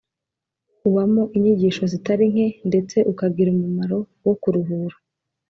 ubamo inyigisho zitari nke ndetse ukagira umumaro wo kuruhura